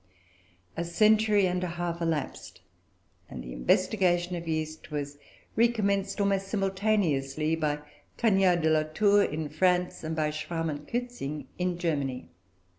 A century and a half elapsed, and the investigation of yeast was recommenced almost simultaneously by Cagniard de la Tour in France, and by Schwann and Kützing in Germany.